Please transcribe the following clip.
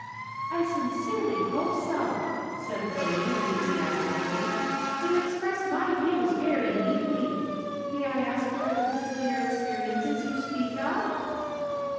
"I sincerely hope so," said Lillie enthusiastically. "You express my views very neatly. May I ask what are the peculiar experiences you speak of?"